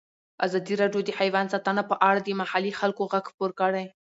ازادي راډیو د حیوان ساتنه په اړه د محلي خلکو غږ خپور کړی.